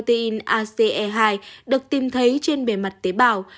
các bản sao của protein ace hai được tìm thấy trên bề mặt tế bào